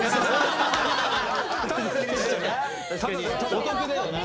お得だよな。